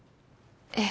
ええ。